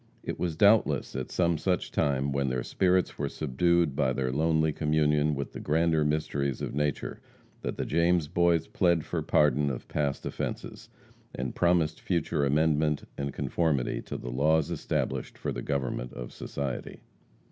It was doubtless at some such time, when their spirits were subdued by their lonely communion with the grander mysteries of nature, that the James Boys plead for pardon of past offences, and promised future amendment and conformity to the laws established for the government of society.